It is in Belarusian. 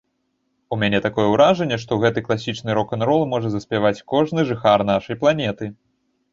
У мяне такое ўражанне, што гэты класічны рок-н-рол можа заспяваць кожны жыхар нашай планеты.